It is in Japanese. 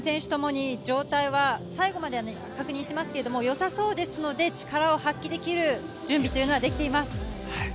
３選手ともに状態は、最後まで確認していますけど、良さそうですので、力を発揮できる準備はできています。